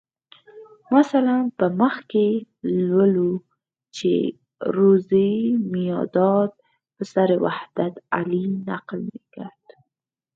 مثلاً په مخ کې لولو چې روزي میاداد پسر وحدت علي نقل میکرد.